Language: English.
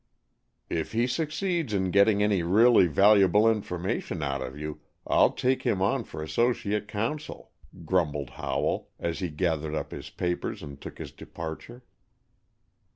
"If he succeeds In getting any really valuable information out of you, I'll take him on for associate counsel," grumbled Howell, as he gathered up his papers and took his departure.